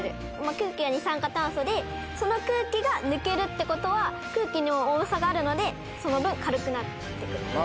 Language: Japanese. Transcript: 空気は二酸化炭素でその空気が抜けるってことは空気の重さがあるのでその分軽くなってく。